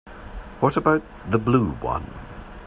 What about the blue one?